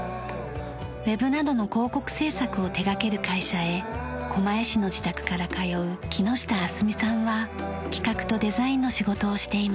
ウェブなどの広告制作を手掛ける会社へ狛江市の自宅から通う木之下青澄さんは企画とデザインの仕事をしています。